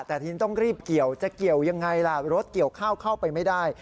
แต่ทีนี้ต้องรีบเกี่ยวจะเกี่ยวยังไงล่ะรถเกี่ยวข้าวเข้าไปไม่ได้